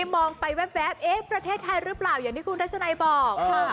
มองไปแวบแวบเ๊ประเทศไทยรึเปล่าอย่างที่คุณดัชนายบอกเอ้อ